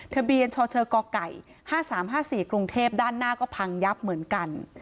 ทะเบียนชชกไก่๕๓๕๔กรุงเทพด้านหน้าก็พังยับเหมือนกัน